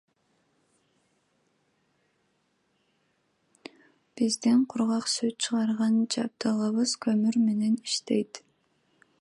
Биздин кургак сүт чыгарган жабдыгыбыз көмүр менен иштейт.